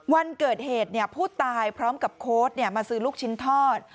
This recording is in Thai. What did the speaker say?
วันเกิดเหตุผู้ตายพร้อมกับโค้ดมาซื้อลูกชิ้นทอด